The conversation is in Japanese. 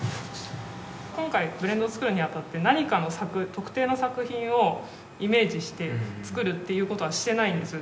今回ブレンドを作るにあたって何かの作特定の作品をイメージして作るっていうことはしてないんですよ